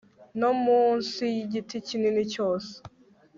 no munsi y igiti kinini cyose